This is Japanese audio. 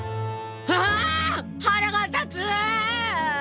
ああ腹が立つ！